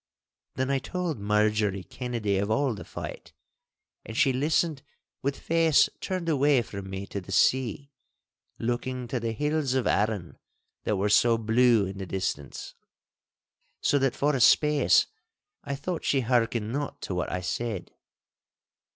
Then I told Marjorie Kennedy of all the fight, and she listened with face turned away from me to the sea, looking to the hills of Arran that were so blue in the distance, so that for a space I thought she hearkened not to what I said.